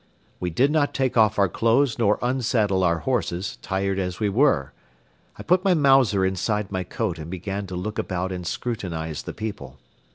We did not take off our clothes nor unsaddle our horses, tired as we were. I put my Mauser inside my coat and began to look about and scrutinize the people.